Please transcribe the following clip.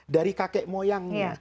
dari kakek moyangnya